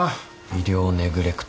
医療ネグレクト。